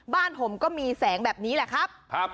บ้านผมก็มีแสงแบบนี้แหละครับ